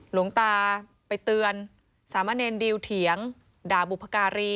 หลวงตาไปเตือนสามเณรดิวเถียงด่าบุพการี